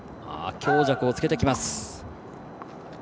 強弱をつけてきます。